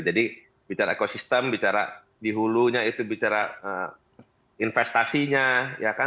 jadi bicara ekosistem bicara di hulunya itu bicara investasinya